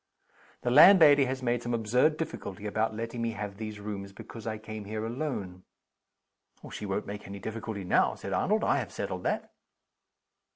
"The landlady has made some absurd difficulty about letting me have these rooms because I came here alone." "She won't make any difficulty now," said Arnold. "I have settled that."